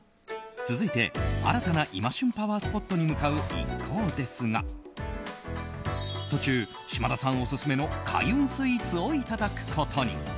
続いて、新たな今旬パワースポットに向かう一行ですが途中、島田さんオススメの開運スイーツをいただくことに。